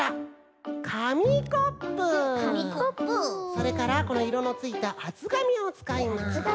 それからこのいろのついたあつがみをつかいます。